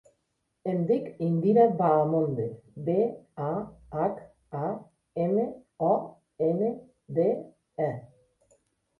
Em dic Indira Bahamonde: be, a, hac, a, ema, o, ena, de, e.